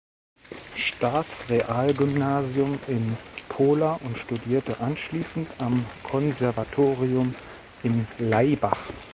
Staats-Real-Gymnasium in Pola und studierte anschließend am Konservatorium in Laibach.